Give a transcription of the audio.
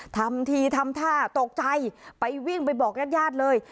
ทำทีทำท่าตกใจไปวิ่งไปบอกญาติญาติเลย